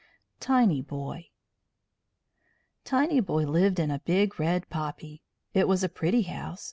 TINYBOY Tinyboy lived in a big red poppy. It was a pretty house.